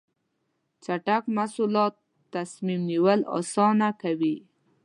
چټک مواصلات تصمیم نیول اسانه کوي.